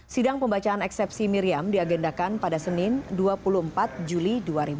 sidang pembacaan eksepsi miriam diagendakan pada senin dua puluh empat juli dua ribu dua puluh